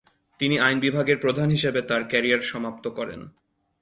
তিনি আইন বিভাগের প্রধান হিসাবে তার ক্যারিয়ার সমাপ্ত করেন।